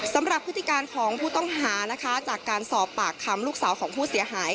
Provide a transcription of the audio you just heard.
พฤติการของผู้ต้องหานะคะจากการสอบปากคำลูกสาวของผู้เสียหาย